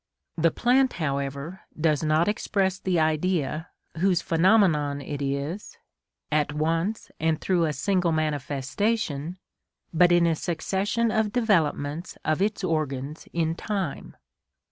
The plant, however, does not express the Idea, whose phenomenon it is, at once and through a single manifestation, but in a succession of developments of its organs in time.